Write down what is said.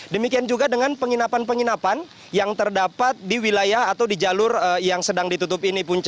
demikian juga dengan penginapan penginapan yang terdapat di wilayah atau di jalur yang sedang ditutup ini punca